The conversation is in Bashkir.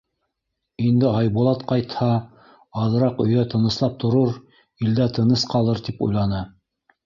Инде Айбулат ҡайтһа, аҙыраҡ өйҙә тыныслап торор, ил дә тыныс ҡалыр, тип уйланы.